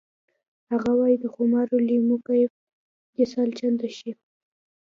هغه وایی د خمارو لیمو کیف دې سل چنده شي